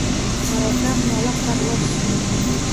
Mereka menolak Carlos!